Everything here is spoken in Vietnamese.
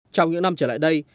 trong những năm trở lại đây